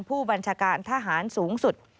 ผู้บัญชาการทหารสูงสุด